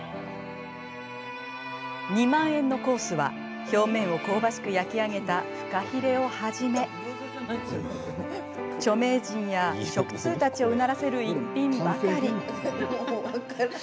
２万円のコースは表面を香ばしく焼き上げたフカヒレをはじめ著名人や食通たちをうならせる逸品ばかり。